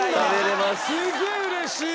すげえうれしい！